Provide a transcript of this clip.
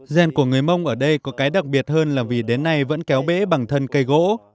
rèn của người mông ở đây có cái đặc biệt hơn là vì đến nay vẫn kéo bể bằng thân cây gỗ